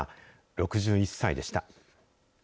６１歳でした。